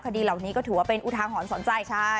คดีเหล่านี้ก็ถือว่าเป็นอุทาหรณ์สอนใจใช่